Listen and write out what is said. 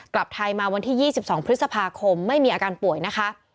กลับไทยมาวันที่๒๒พฤษภาคมไม่มีอาการป่วยนะคะ